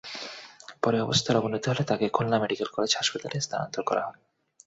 পরে অবস্থার অবনতি হলে তাঁকে খুলনা মেডিকেল কলেজ হাসপাতালে স্থানান্তর করা হয়।